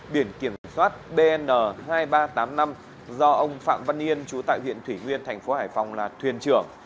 biển kiểm soát bn hai nghìn ba trăm tám mươi năm do ông phạm văn yên chú tại huyện thủy nguyên thành phố hải phòng là thuyền trưởng